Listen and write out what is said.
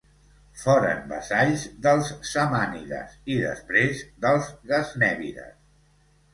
Foren vassalls dels samànides i després dels gaznèvides.